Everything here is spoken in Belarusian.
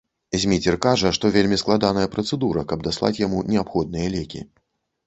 Зміцер кажа, што вельмі складаная працэдура, каб даслаць яму неабходныя лекі.